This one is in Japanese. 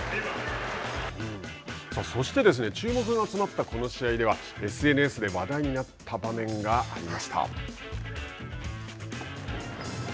そして注目が集まったこの試合ではＳＮＳで話題になった場面がありました。